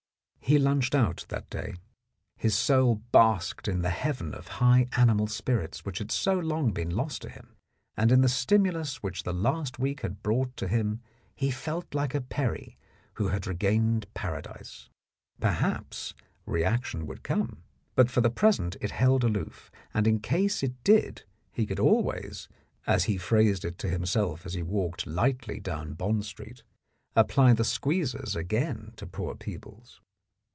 He lunched out that day. His soul basked in the heaven of high animal spirits which had so long been lost to him, and in the stimulus which the last week had brought to him he felt like a peri who had regained Paradise. Perhaps reaction would come, but for the present it held aloof, and in case it did he could always, as he phrased it to himself as he walked lightly down Bond Street, apply the squeezers again to poor Peebles.